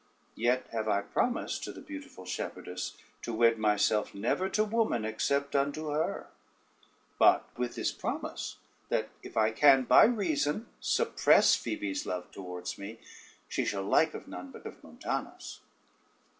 Yet have I promised to the beautiful shepherdess to wed myself never to woman except unto her; but with this promise, that if I can by reason suppress Phoebe's love towards me, she shall like of none but of Montanus."